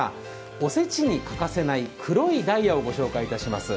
おせちに欠かせない黒いダイヤを御紹介いたします。